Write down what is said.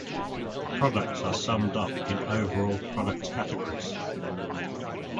The products are summed up in overall product categories.